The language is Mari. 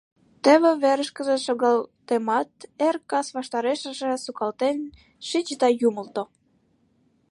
Теве верышкыже шогалтемат, эр-кас ваштарешыже сукалтен шич да юмылто.